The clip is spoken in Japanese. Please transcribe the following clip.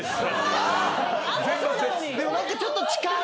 でも何かちょっと近い。